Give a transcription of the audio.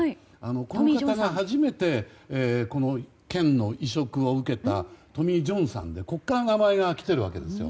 この方が初めて腱の移植を受けたトミー・ジョンさんでここから名前が来てるわけです。